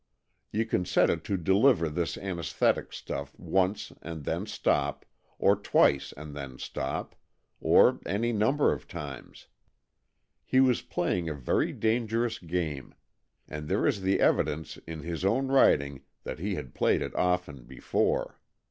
You can set it to deliver this anaesthetic stuff once and then stop^ or twice and then stop, or any number of times. He was playing a very dangerous game, and there is the evidence in his own writing that he had played it often before.